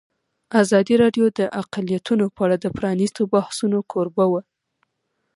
ازادي راډیو د اقلیتونه په اړه د پرانیستو بحثونو کوربه وه.